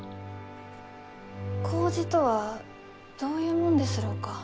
麹とはどういうもんですろうか？